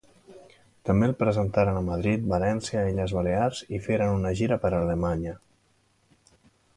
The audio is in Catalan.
També el presentaren a Madrid, València, Illes Balears i feren una gira per Alemanya.